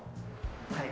はい。